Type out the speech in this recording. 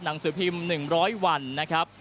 หนังสือพิมพ์๑๐๐วันนะครับ